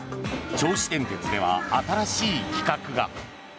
銚子電鉄では新しい企画が。